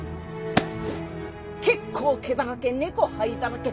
「結構毛だらけ猫灰だらけ